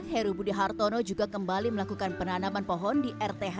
heru budi hartono juga kembali melakukan penanaman pohon di rth